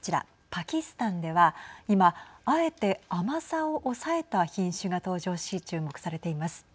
パキスタンでは今、あえて甘さを抑えた品種が登場し注目されています。